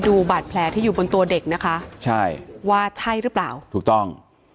ดูบาดแผลที่อยู่บนตัวเด็กนะคะใช่ว่าใช่หรือเปล่าถูกต้อง